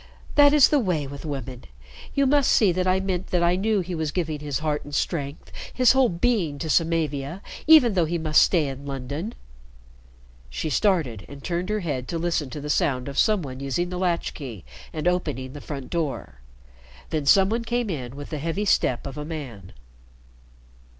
That is the way with women. You must see that I meant that I knew he was giving his heart and strength, his whole being, to Samavia, even though he must stay in London." She started and turned her head to listen to the sound of some one using the latch key and opening the front door. The some one came in with the heavy step of a man.